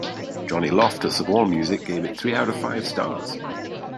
Johnny Loftus of Allmusic gave it three out of five stars.